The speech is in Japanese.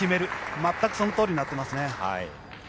全くそのとおりになっていますね。